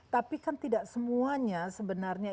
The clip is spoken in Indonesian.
tapi kan tidak semuanya sebenarnya